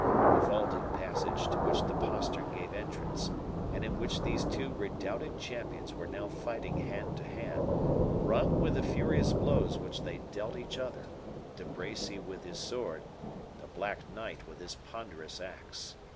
The vaulted passage to which the postern gave entrance, and in which these two redoubted champions were now fighting hand to hand, rung with the furious blows which they dealt each other, De Bracy with his sword, the Black Knight with his ponderous axe.